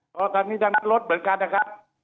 เพราะตอนนี้ทางรถเหมือนกันนะครับ